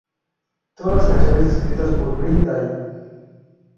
Todas las canciones escritas por Green Day.